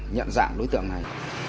nhận dạng đối tượng này